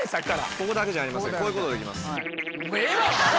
ここだけじゃありませんこういうことできます。